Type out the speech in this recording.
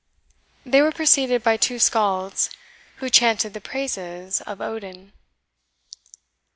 They were preceded by two Scalds, who chanted the praises of Odin.